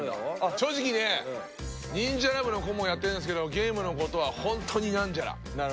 正直ねニンジャラ部の顧問をやってるんですけどゲームのことはホントにナンジャラ。